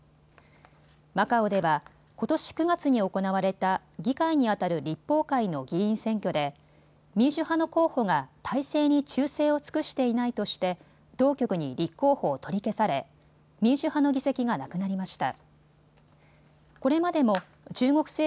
マカオではことし９月に行われた議会にあたる立法会の議員選挙で民主派の候補が体制に忠誠を尽くしていないとして当局に立候補を取り消され民主派の議席がなくなりました。